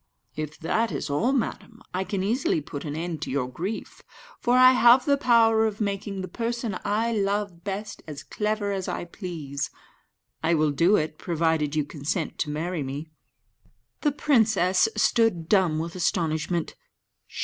"If that is all, madam, I can easily put an end to your grief, for I have the power of making the person I love best as clever as I please. I will do it, provided you consent to marry me." The princess stood dumb with astonishment.